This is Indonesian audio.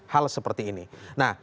hal seperti ini nah